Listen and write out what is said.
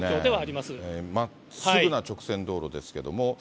まっすぐな直線道路ですけども。